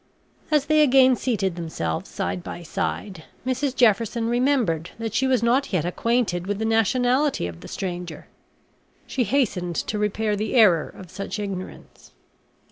As they again seated themselves side by side, Mrs Jefferson remembered that she was not yet acquainted with the nationality of the stranger. She hastened to repair the error of such ignorance.